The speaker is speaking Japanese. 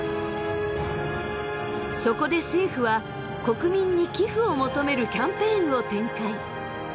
そこで政府は国民に寄付を求めるキャンペーンを展開。